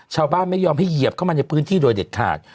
ชาวบ้านไม่ยอมให้เหยียบเข้ามาในพื้นที่โดยเด็ดขาด